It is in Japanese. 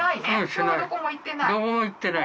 今日どこも行ってない？